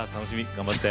頑張って。